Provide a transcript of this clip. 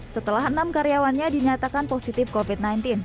setelah enam karyawannya dinyatakan positif covid sembilan belas